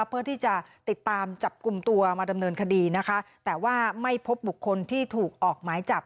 เพื่อที่จะติดตามจับกลุ่มตัวมาดำเนินคดีนะคะแต่ว่าไม่พบบุคคลที่ถูกออกหมายจับ